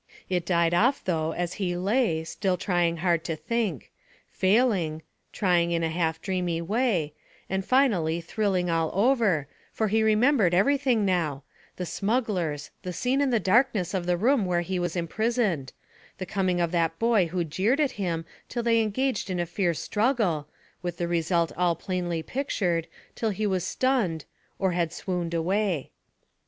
It died off though as he lay, still trying hard to think, failing trying in a half dreamy way, and finally thrilling all over, for he remembered everything now the smugglers the scene in the darkness of the room where he was imprisoned the coming of that boy who jeered at him till they engaged in a fierce struggle, with the result all plainly pictured, till he was stunned or had swooned away.